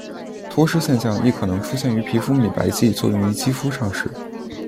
脱失现象亦可能出现于皮肤美白剂作用于肌肤上时。